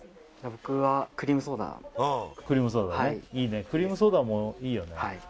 僕はクリームソーダねいいねクリームソーダもいいよね